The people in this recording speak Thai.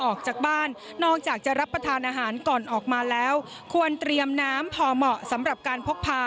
ออกจากบ้านนอกจากจะรับข้าวอาหาร